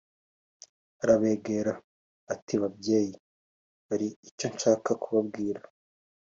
arabegera ati "Babyeyi hari icyo nshaka kubabwira